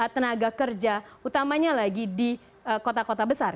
tenaga kerja utamanya lagi di kota kota besar